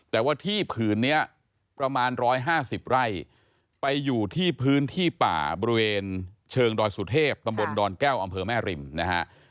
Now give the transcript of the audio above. แต่ว่าที่ผืนนี้ประมาณ๑๕๐ไร่ไปอยู่ที่พื้นที่ป่าบริเวณเชิงดอยสุเทพตำบลดอนแก้วอำเภอแม่ริมนะฮะ